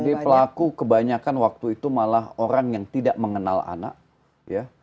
sebagai pelaku kebanyakan waktu itu malah orang yang tidak mengenal anak ya